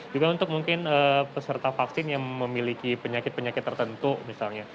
juga untuk mungkin peserta vaksin yang memiliki penyakit penyakit tertentu misalnya